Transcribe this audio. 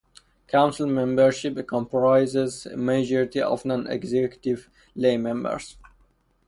Council membership comprises a majority of non-executive lay members.